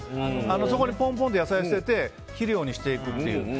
そこにポンポンって野菜捨てて肥料にしていくっていう。